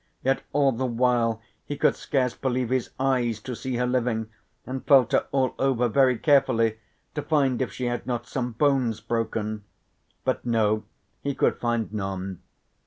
Yet all the while he could scarce believe his eyes to see her living, and felt her all over very carefully to find if she had not some bones broken. But no, he could find none.